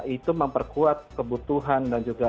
itu memperkuat kebutuhan dan juga